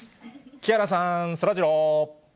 木原さん、そらジロー。